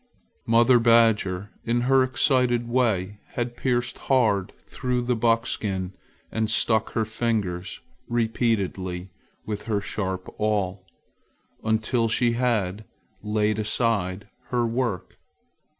Mother badger, in her excited way, had pierced hard through the buckskin and stuck her fingers repeatedly with her sharp awl until she had laid aside her work.